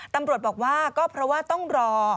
ตำรวจบอกว่าก็เพราะว่าต้องรอ